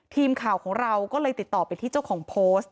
ทีมข่าวของเราก็เลยติดต่อไปที่เจ้าของโพสต์